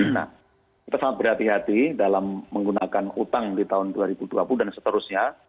nah kita sangat berhati hati dalam menggunakan utang di tahun dua ribu dua puluh dan seterusnya